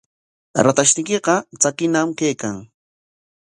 Ratayniykiqa tsakiñam kaykan.